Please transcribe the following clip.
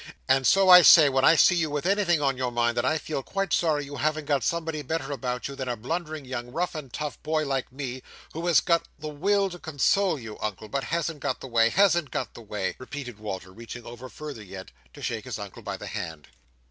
And so I say, when I see you with anything on your mind, that I feel quite sorry you haven't got somebody better about you than a blundering young rough and tough boy like me, who has got the will to console you, Uncle, but hasn't got the way—hasn't got the way," repeated Walter, reaching over further yet, to shake his Uncle by the hand.